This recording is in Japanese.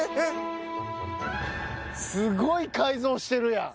すごい改造してるやん。